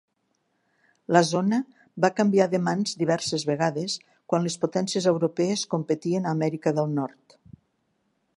La zona va canviar de mans diverses vegades quan les potències europees competien a Amèrica del Nord.